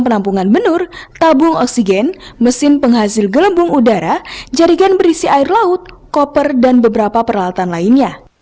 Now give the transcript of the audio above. penampungan benur tabung oksigen mesin penghasil gelembung udara jarigan berisi air laut koper dan beberapa peralatan lainnya